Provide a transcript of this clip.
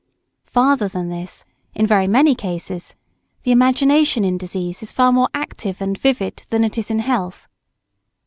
Farther than this, in very many cases, the imagination in disease is far more active and vivid than it is in health.